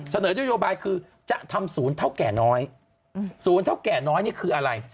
เสนอนโยบายคือจะทำศูนย์เท่าแก่น้อยศูนย์เท่าแก่น้อยนี่คืออะไร